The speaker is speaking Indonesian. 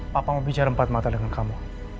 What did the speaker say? papa mau bicara empat mata dengan kamu